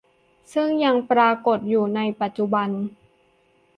ซึ่งยังปรากฏอยู่ในปัจจุบัน